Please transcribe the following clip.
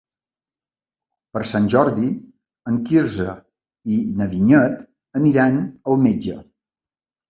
Per Sant Jordi en Quirze i na Vinyet aniran al metge.